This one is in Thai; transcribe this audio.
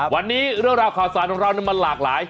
วันนี้เรื่องราวข่าวสารของเรามันหลากหลาย